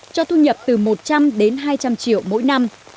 cho thu nhập từ một trăm linh đến hai trăm linh triệu mỗi năm